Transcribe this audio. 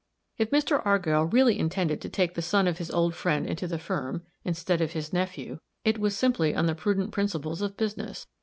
If Mr. Argyll really intended to take the son of his old friend into the firm, instead of his nephew, it was simply on the prudent principles of business.